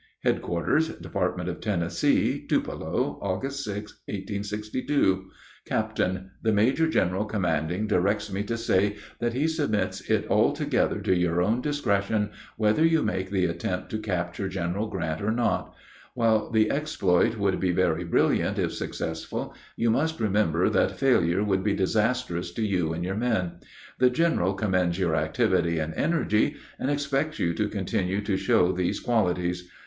HEADQUARTERS DEPT. OF TENN. TUPELO, Aug. 6, 1862. CAPT: The Major General Commanding directs me to say that he submits it altogether to your own discretion whether you make the attempt to capture General Grant or not. While the exploit would be very brilliant if successful, you must remember that failure would be disastrous to you and your men. The General commends your activity and energy, and expects you to continue to show these qualities.